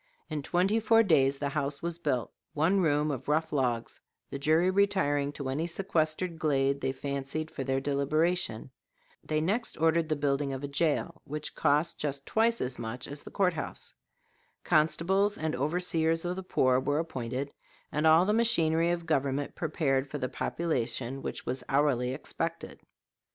In twenty four days the house was built one room of rough logs, the jury retiring to any sequestered glade they fancied for their deliberation. They next ordered the building of a jail, which cost just twice as much money as the court house. Constables and overseers of the poor were appointed, and all the machinery of government prepared for the population which was hourly expected.